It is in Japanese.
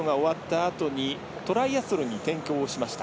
あとトライアスロンに転向しました。